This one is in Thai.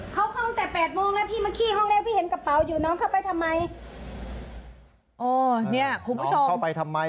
เขาเข้าที่แต่แปดโมงแล้วพี่เห็นกระเป๋าอยู่น้องเข้าไปทำไม